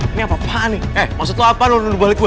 ini apa apaan nih eh maksud lo apa lo duduk balik gue